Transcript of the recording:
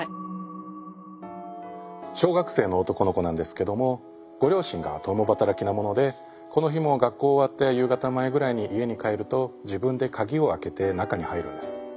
小学生の男の子なんですけどもご両親が共働きなものでこの日も学校終わって夕方前ぐらいに家に帰ると自分でカギを開けて中に入るんです。